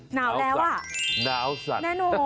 หนาวแล้วอ่ะแน่นอน